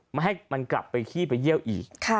ไม่ให้มันกลับไปขี้ไปเยี่ยวอีก